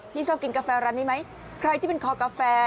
ชอบกินกาแฟร้านนี้ไหมใครที่เป็นคอกาแฟ